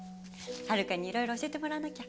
ハルカにいろいろ教えてもらわなきゃ。